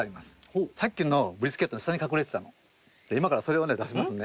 今からそれを出しますね。